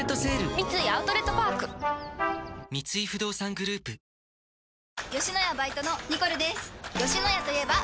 三井アウトレットパーク三井不動産グループあっいい香り！